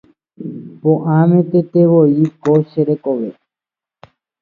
Po'a memetevoi ko che rekove.